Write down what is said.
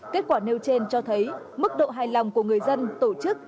kết quả nêu trên cho thấy mức độ hài lòng của người dân tổ chức